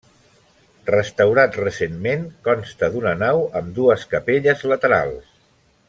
Restaurat recentment, consta d'una nau amb dues capelles laterals.